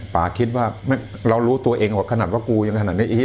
ป่าคิดว่าเรารู้ตัวเองว่าขนาดว่ากูยังขนาดนี้